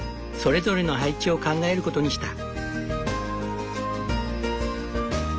それぞれの配置を考えることにした。